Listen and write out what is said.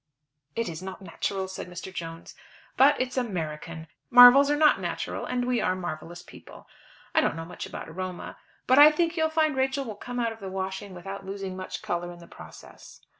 "It is not natural," said Mr. Jones. "But it's American. Marvels are not natural, and we are marvellous people. I don't know much about aroma, but I think you'll find Rachel will come out of the washing without losing much colour in the process."